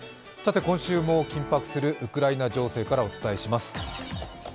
今週も緊迫するウクライナ情勢からお伝えします。